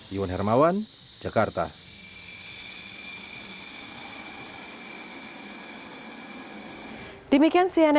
iwan hermawan jakarta